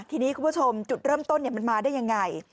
ทีนี้คุณผู้ชมจุดเริ่มต้นมันมาได้ยังไง